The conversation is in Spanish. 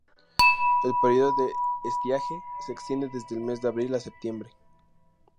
El período de estiaje se extiende desde el mes de abril a septiembre.